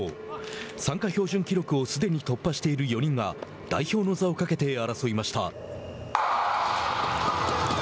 参加標準記録をすでに突破している４人が代表の座をかけて争いました。